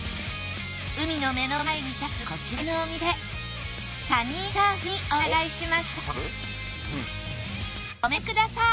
海の目の前に建つこちらのお店タニーサーフにお伺いしましたごめんください